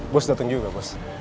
bos datang juga bos